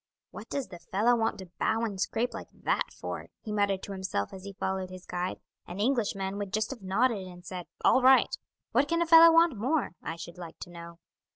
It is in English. "What does the fellow want to bow and scrape like that for?" he muttered to himself as he followed his guide. "An Englishman would just have nodded and said 'All right!' What can a fellow want more, I should like to know?